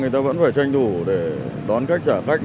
người ta vẫn phải tranh thủ để đón khách trả khách